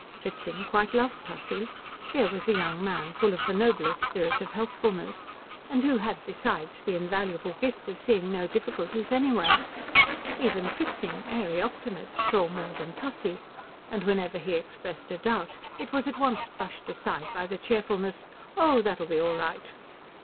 Fritzing quite loved Tussie. Here was a young man full of the noblest spirit of helpfulness, and who had besides the invaluable gift of seeing no difficulties anywhere. Even Fritzing, airy optimist, saw more than Tussie, and whenever he expressed a doubt it was at once brushed aside by the cheerfullest "Oh, that'll be all right."